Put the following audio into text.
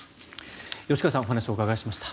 吉川さんにお話をお伺いしました。